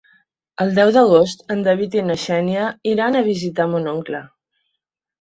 El deu d'agost en David i na Xènia iran a visitar mon oncle.